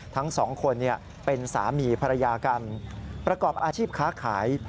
ทั้งสองคนเป็นสามีภรรยากันประกอบอาชีพค้าขาย